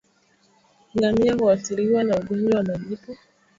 Ngamia huathiriwa na ugonjwa wa majipu